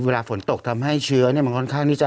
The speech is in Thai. เวลาฝนตกทำให้เชื้อมันค่อนข้างที่จะ